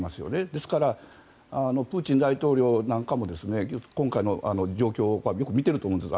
ですからプーチン大統領なんかも今回の状況をよく見ていると思うんです。